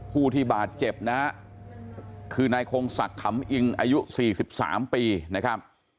ผู้ที่บาดเจ็บนะฮะคือนายคงศักดิ์ขำอิงอายุ๔๓ปีนะครับ